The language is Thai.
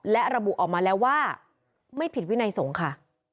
และระบุออกมาแล้วว่าไม่ผิดวินัยสงฆ์ค่ะ